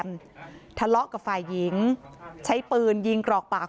ไม่ตั้งใจครับ